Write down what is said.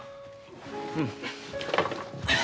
うん。